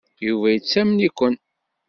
Yuba yettamen-iken.